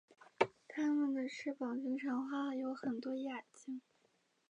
他们的翅膀经常画有很多眼睛。